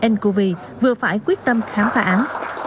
ncov vừa phải quyết tâm khám phá án